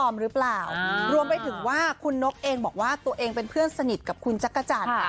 มันมีคนคอมเมนต์เยอะมาก